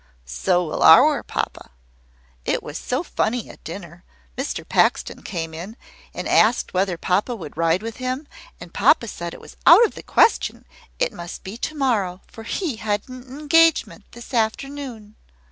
"So will our papa. It was so funny at dinner. Mr Paxton came in, and asked whether papa would ride with him; and papa said it was out of the question; it must be to morrow; for he had an engagement this afternoon."